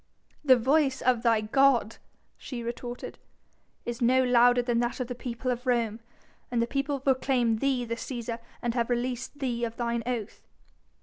'" "The voice of thy god," she retorted, "is no louder than that of the people of Rome, and the people proclaim thee the Cæsar and have released thee of thine oath."